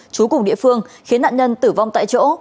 trú cùng địa phương khiến nạn nhân tử vong tại chỗ